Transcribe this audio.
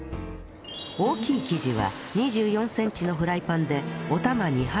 大きい生地は２４センチのフライパンでお玉２杯分